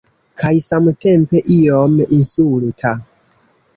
Kaj samtempe iom insulta...